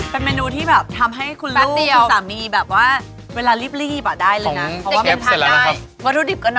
เป็นเมนูที่แบบทำให้คุณลูกคุณสามีแบบว่าเวลารีบ